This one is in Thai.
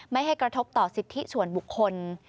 ไม่ให้กระทบต่อสิทธิส่วนบุคคล